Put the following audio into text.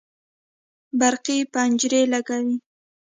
برقي پنجرې لګوي